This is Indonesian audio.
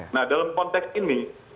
nah dalam konteks ini